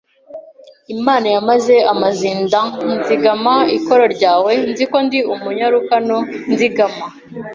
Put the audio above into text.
Imana yamaze amazinda Nzigama ikoro ryawe Nzi ko ndi umunyarukano Nzigama